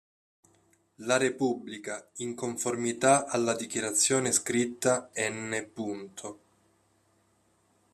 La Repubblica, in conformità alla dichiarazione scritta n.